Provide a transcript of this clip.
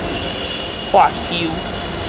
喝咻